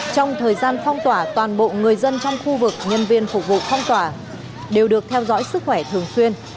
trong thời gian phong tỏa toàn bộ người dân trong khu vực nhân viên phục vụ phong tỏa đều được theo dõi sức khỏe thường xuyên